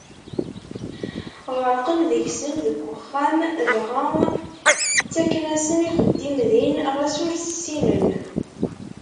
Ɣerqen deg-sen deg uxxam, dɣa ttaken-asen ixeddim din ɣas ur s-ssinen.